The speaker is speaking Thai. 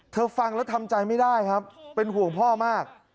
ฟังแล้วทำใจไม่ได้ครับเป็นห่วงพ่อมาก